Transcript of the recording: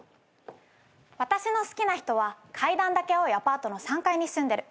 私の好きな人は階段だけ青いアパートの３階に住んでる。